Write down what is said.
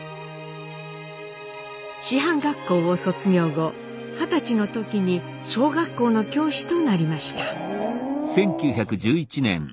師範学校を卒業後二十歳の時に小学校の教師となりました。